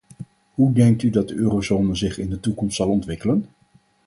Hoe denkt u dat de eurozone zich in de toekomst zal ontwikkelen?